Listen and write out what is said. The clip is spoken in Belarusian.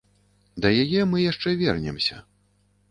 Да яе мы яшчэ вернемся.